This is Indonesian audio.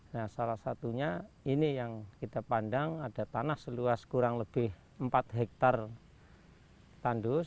nah salah satunya ini yang kita pandang ada tanah seluas kurang lebih empat hektare tandus